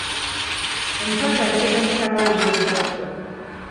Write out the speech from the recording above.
Omsajja alekedde mukyala we ebyobugagga.